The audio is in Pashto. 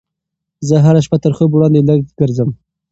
زه هره شپه تر خوب وړاندې لږ ګرځم.